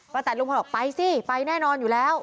แตนลุงพลบอกไปสิไปแน่นอนอยู่แล้ว